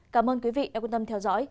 cảm ơn quý vị đã quan tâm theo dõi